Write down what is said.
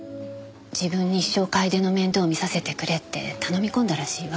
自分に一生楓の面倒を見させてくれって頼み込んだらしいわ。